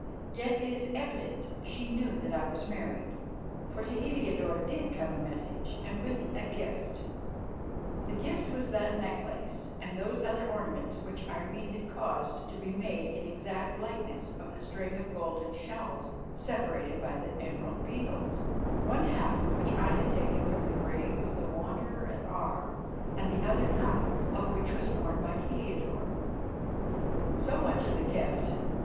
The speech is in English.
Yet it is evident she knew that I was married, for to Heliodore did come a message, and with it a gift. The gift was that necklace and those other ornaments which Irene had caused to be made in an exact likeness of the string of golden shells separated by emerald beetles, one half of which I had taken from the grave of the Wanderer at Aar and the other half of which was worn by Heliodore. So much of the gift.